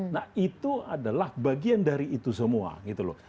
nah itu adalah bagian dari itu semua gitu loh